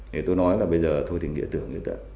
thì tôi nói là bây giờ thôi thì nghĩa tưởng như vậy